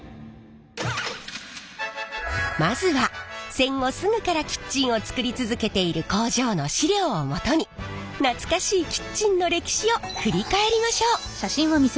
まずは戦後すぐからキッチンを作り続けている工場の資料をもとに懐かしいキッチンの歴史を振り返りましょう！